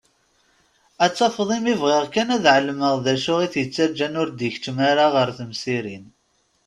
Ad tafeḍ imi bɣiɣ kan ad ɛelmeɣ d acu i t-ittaǧǧan ur d-ikeččem ara ɣer temsirin.